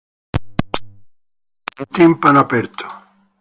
Si chiude con un timpano aperto.